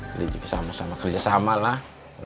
kita juga sama sama kerjasama lah